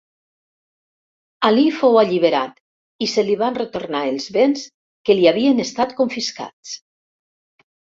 Ali fou alliberat i se li van retornar els béns que li havien estat confiscats.